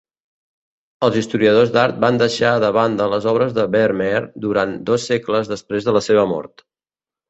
Els historiadors d'art van deixar de banda les obres de Vermeer durant dos segles després de la seva mort